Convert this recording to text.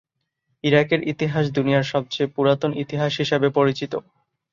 ইরাকের ইতিহাস দুনিয়ার সবচেয়ে পুরাতন ইতিহাস হিসাবে পরিচিত।